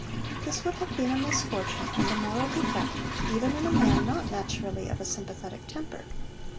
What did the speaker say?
This would have been a misfortune, and a moral defect, even in a man not naturally of a sympathetic temper.